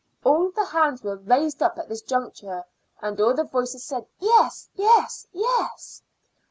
All the hands were raised up at this juncture, and all the voices said: "Yes, yes, yes."